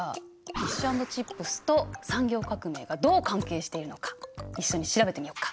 フィッシュ＆チップスと産業革命がどう関係しているのか一緒に調べてみようか。